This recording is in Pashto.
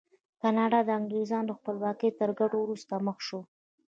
ګانا له انګرېزانو خپلواکۍ تر ګټلو وروسته مخ شو.